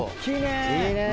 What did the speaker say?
いいね！